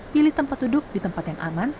pilih tempat duduk di tempat yang aman